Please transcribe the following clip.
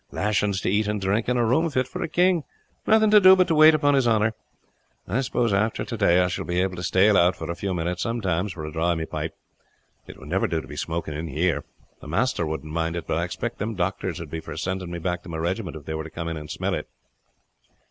Lashings to eat and drink, and a room fit for a king. Nothing to do but to wait upon his honor. I suppose after to day I shall be able to stale out for a few minutes sometimes for a draw of me pipe. It would never do to be smoking here. The master wouldn't mind it; but I expect them doctors would be for sending me back to my regiment if they were to come in and smell it."